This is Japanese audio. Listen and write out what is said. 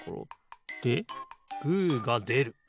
でグーがでる。